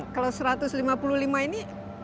jadi kalau satu ratus lima puluh lima ini